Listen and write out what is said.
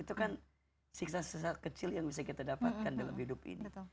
itu kan siksa sisa kecil yang bisa kita dapatkan dalam hidup ini